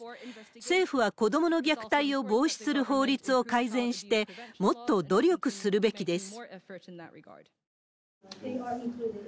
政府は子どもの虐待を防止する法律を改善して、もっと努力するべきです。